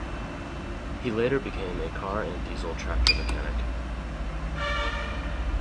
He later became a car and diesel tractor mechanic.